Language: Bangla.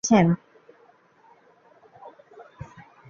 মিস অট্যারবোর্ন, আপনি পিস্তল দিয়ে গুলি করতে দেখেছেন।